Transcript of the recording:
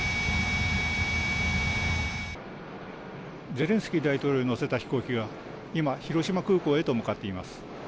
ゼレンスキー大統領を乗せた飛行機が今、広島空港へと向かっています。